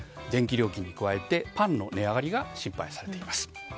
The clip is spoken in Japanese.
電気料金に加えて、パンの値上がりが心配されています。